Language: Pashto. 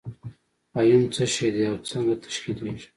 ایون څه شی دی او څنګه تشکیلیږي؟